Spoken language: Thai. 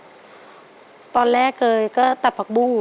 ขั้นตอนตั้งแต่เริ่มต้นจนเสร็จแล้วใส่ถุงเนี่ยฮะต้องทำอะไรบ้างครับ